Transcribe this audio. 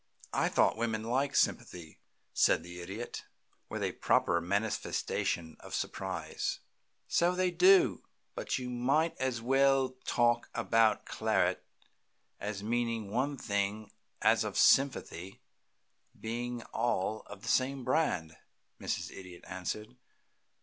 "I thought women liked sympathy?" said the Idiot, with a proper manifestation of surprise. "So they do; but you might just as well talk about claret as meaning one thing as of sympathy being all of the same brand," Mrs. Idiot answered.